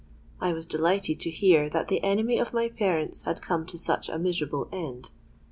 '—I was delighted to hear that the enemy of my parents had come to such a miserable end.